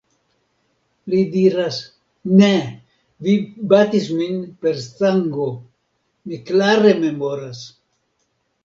Li diras: "Ne! Vi batis min per stango. Mi klare memoras."